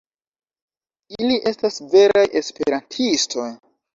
Ili estas veraj Esperantistoj!